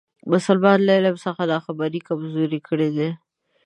مسلمانان له علم څخه ناخبري کمزوري کړي دي.